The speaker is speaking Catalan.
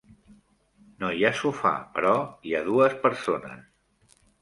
No hi ha sofà, però hi ha dues persones.